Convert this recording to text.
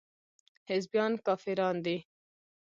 حزبيان کافران دي.